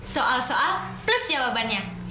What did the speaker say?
soal soal plus jawabannya